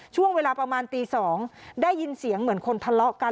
ช่วงเวลาประมาณตี๒ได้ยินเสียงเหมือนคนทะเลาะกัน